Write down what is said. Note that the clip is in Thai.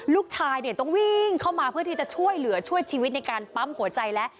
ลูกชายเนี่ยต้องวิ่งเข้ามาเพื่อที่จะช่วยเหลือช่วยชีวิตในการปั๊มหัวใจและ